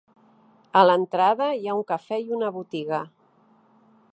A l'entrada hi ha un cafè i una botiga.